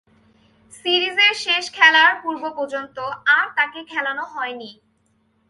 সিরিজের শেষ খেলার পূর্ব-পর্যন্ত আর তাকে খেলানো হয়নি।